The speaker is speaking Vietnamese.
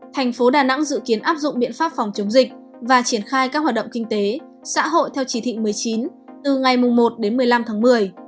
thành phố đà nẵng dự kiến áp dụng biện pháp phòng chống dịch và triển khai các hoạt động kinh tế xã hội theo chỉ thị một mươi chín từ ngày một đến một mươi năm tháng một mươi